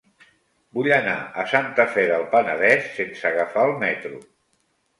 Vull anar a Santa Fe del Penedès sense agafar el metro.